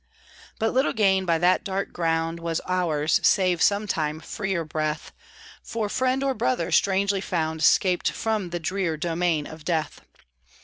But little gain by that dark ground Was ours, save, sometime, freer breath For friend or brother strangely found, 'Scaped from the drear domain of death.